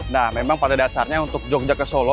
nah memang pada dasarnya untuk jogja ke solo